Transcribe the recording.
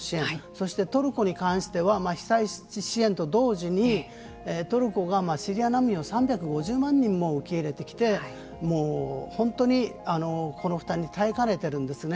そしてトルコに関しては被災地支援と同時にトルコがシリア難民を３５０万人も受け入れてきて本当に耐えかねているんですね。